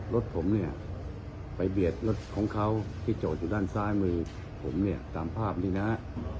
รถผมเนี่ยไปเบียดรถของเขาที่จอดอยู่ด้านซ้ายมือผมเนี่ยตามภาพนี้นะฮะ